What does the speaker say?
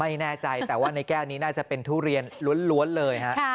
ไม่แน่ใจแต่ว่าในแก้วนี้น่าจะเป็นทุเรียนล้วนเลยฮะ